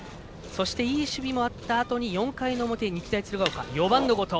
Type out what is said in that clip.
そして、いい守備もあったあとに４回の表、日大鶴ヶ丘４番の後藤。